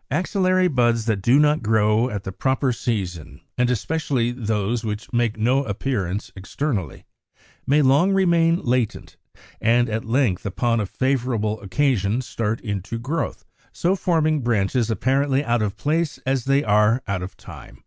= Axillary buds that do not grow at the proper season, and especially those which make no appearance externally, may long remain latent, and at length upon a favorable occasion start into growth, so forming branches apparently out of place as they are out of time.